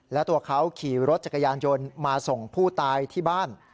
และตัวเขาขี่รถจักรยานยนต์มาส่งผู้ตายที่บ้าน